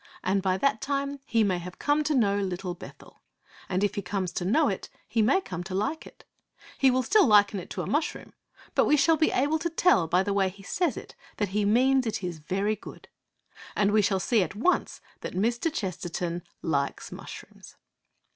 And by that time he may have come to know Little Bethel. And if he comes to know it, he may come to like it. He will still liken it to a mushroom. But we shall be able to tell, by the way he says it, that he means that it is very good. We shall see at once that Mr. Chesterton likes mushrooms.